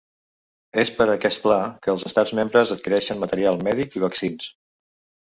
És per aquest pla que els estats membres adquireixen material mèdic i vaccins.